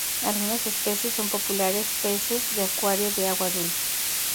Algunas especies son populares peces de acuario de agua dulce.